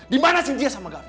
dimana sintia sama gafi